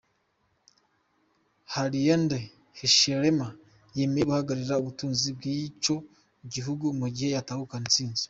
Hakainde Hichelema yemeye guhagararira ubutunzi bw'ico gihugu mu gihe yotahukana intsinzi.